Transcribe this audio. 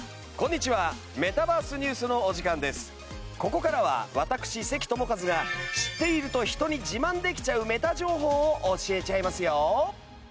ここからは私関智一が知っていると人に自慢できちゃうメタ情報を教えちゃいますよ。